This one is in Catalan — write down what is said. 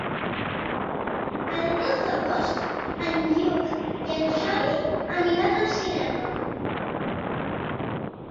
El deu d'agost en Lluc i en Xavi aniran al cinema.